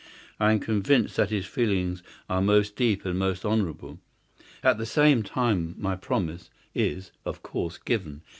I am convinced that his feelings are most deep and most honourable. At the same time my promise is, of course, given.